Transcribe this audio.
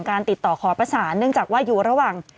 ติดต่อขอประสานเนื่องจากว่าอยู่ระหว่าง